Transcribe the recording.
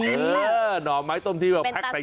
เออหน่อไม้ต้มที่แพ็คใส่กุ้งอะ